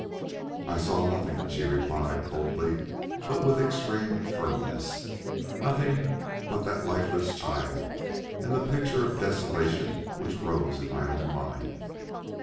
"I saw nothing," she replied coldly but with extreme firmness, "nothing but that lifeless child and the picture of desolation which rose in my own mind.